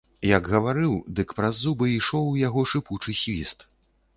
Як гаварыў, дык праз зубы ішоў у яго шыпучы свіст.